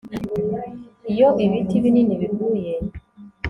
Iyo ibiti binini biguye